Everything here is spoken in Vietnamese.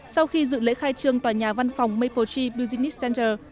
sau khi dự lễ khai trương tòa nhà văn phòng maple tree business center